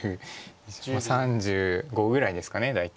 ３５ぐらいですか大体。